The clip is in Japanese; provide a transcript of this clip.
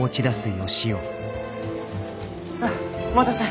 あっお待たせ。